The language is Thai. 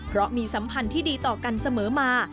เพราะมีสัมพันธ์ที่ดีต่อกันเสมอมา